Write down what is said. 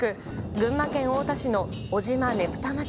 群馬県太田市の尾島ねぷた